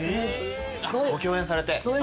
ご共演されて。